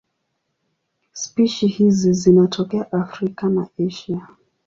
Spishi hizi zinatokea Afrika na Asia.